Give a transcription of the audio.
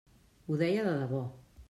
Ho deia de debò.